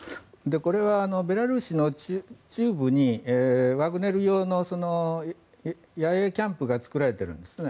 これはベラルーシの中部にワグネル用の野営キャンプが作られているんですね。